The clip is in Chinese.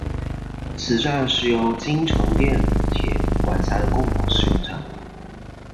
此站是由京成电铁管辖的共同使用站。